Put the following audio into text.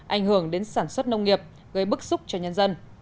ảnh hưởng đến sản xuất nông nghiệp gây bức xúc cho nhân dân